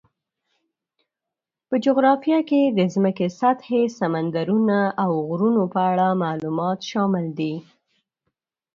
په جغرافیه کې د ځمکې سطحې، سمندرونو، او غرونو په اړه معلومات شامل دي.